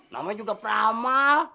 namanya juga peramal